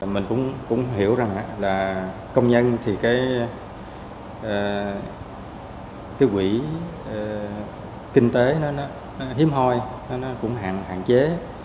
mình cũng hiểu rằng là công nhân thì cái quỹ kinh tế nó hiếm hoi nó cũng hạn chế